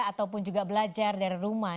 ataupun juga belajar dari rumah